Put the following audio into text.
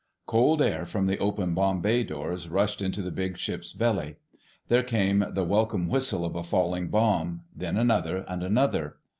Cold air from the open bomb bay doors rushed into the big ship's belly. There came the welcome whistle of a falling bomb; then another, and another.